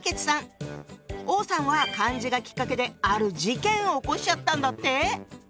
王さんは漢字がきっかけである事件を起こしちゃったんだって。